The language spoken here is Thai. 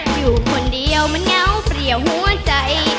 อยู่คนเดียวมันเหงาเปรียวหัวใจ